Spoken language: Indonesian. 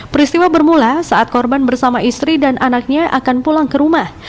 peristiwa bermula saat korban bersama istri dan anaknya akan pulang ke rumah